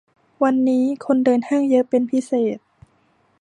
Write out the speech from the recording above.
วันนี้คนเดินห้างเยอะเป็นพิเศษ